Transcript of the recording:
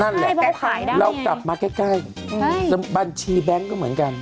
นั่นแหละเรากลับมาใกล้บัญชีแบงค์ก็เหมือนกัน